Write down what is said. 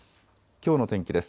きょうの天気です。